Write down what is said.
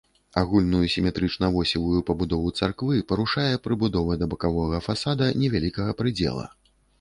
Агульную сіметрычна-восевую пабудову царквы парушае прыбудова да бакавога фасада невялікага прыдзела.